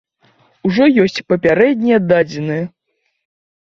Ужо ёсць папярэднія дадзеныя.